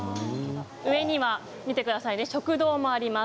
上には食堂もあります。